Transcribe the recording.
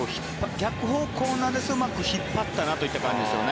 逆方向なんですけどうまく引っ張ったなという感じですよね。